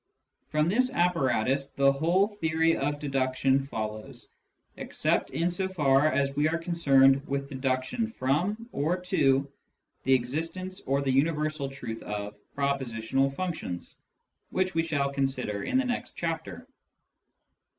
From this apparatus the whole theory of deduction follows, except in so far as we are concerned with deduction from or to the existence or the universal truth of " propositional functions," which we shall consider in the next chapter.